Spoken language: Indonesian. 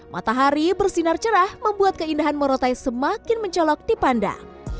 matahari bersinar cerah membuat keindahan moratai semakin mencolok di pandang